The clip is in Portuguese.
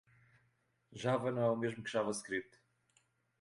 Java não é o mesmo que JavaScript.